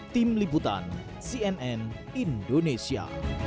tim liputan cnn indonesia